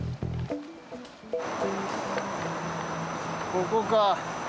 ここか。